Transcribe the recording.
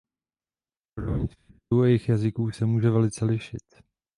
Úroveň skriptů a jejich jazyků se může velice lišit.